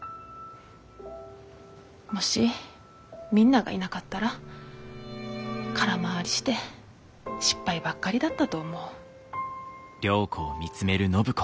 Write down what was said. もしみんながいなかったら空回りして失敗ばっかりだったと思う。